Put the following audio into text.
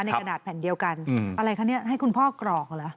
กระดาษแผ่นเดียวกันอะไรคะเนี่ยให้คุณพ่อกรอกเหรอ